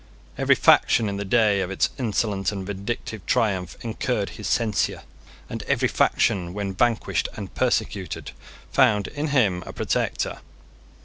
Every faction in the day of its insolent and vindictive triumph incurred his censure; and every faction, when vanquished and persecuted, found in him a protector.